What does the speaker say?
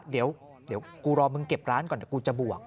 เดี๋ยวกูรอเก็บร้านก่อนแต่กูจะบวก